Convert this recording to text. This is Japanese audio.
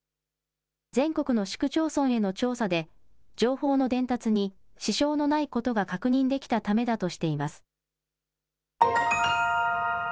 全国の市区町村への調査で、情報の伝達に支障のないことが確認できたためだとしています。